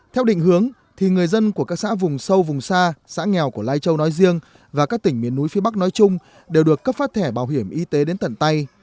theo định hướng thì người dân của các xã vùng sâu vùng xa xã nghèo của lai châu nói riêng và các tỉnh miền núi phía bắc nói chung đều được cấp phát thẻ bảo hiểm y tế đến tận tay